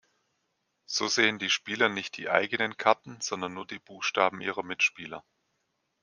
So sehen die Spieler nicht die eigenen Karten, sondern nur die Buchstaben ihrer Mitspieler.